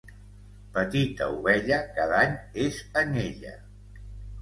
Petita ovella, cada any és anyella.